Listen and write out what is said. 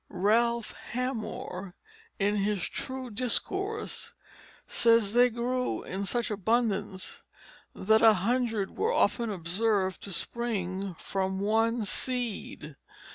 Ralph Hamor, in his True Discourse, says they grew in such abundance that a hundred were often observed to spring from one seed.